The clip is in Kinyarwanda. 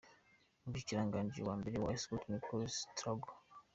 Umushikiranganji wa mbere wa Ecosse Nicola Sturgeo.